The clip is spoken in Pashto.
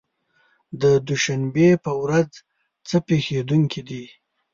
د دوشنبې په ورځ څه پېښېدونکي دي؟